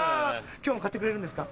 今日も買ってくれるんですか？